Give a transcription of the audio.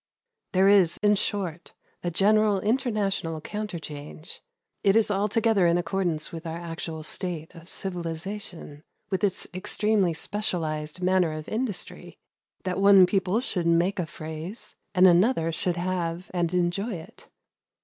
There is, in short, a general international counterchange. It is altogether in accordance with our actual state of civilization, with its extremely "specialized" manner of industry, that one people should make a phrase, and another should have and enjoy it.